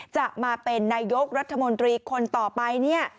จะมาเป็นนายกรัฐมนตรีคนต่อไปเนี่ย